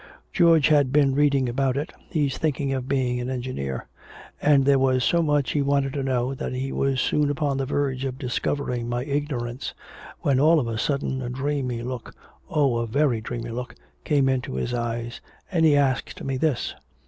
George has been reading about it, he's thinking of being an engineer. And there was so much he wanted to know that he was soon upon the verge of discovering my ignorance when all of a sudden a dreamy look, oh, a very dreamy look, came into his eyes and he asked me this."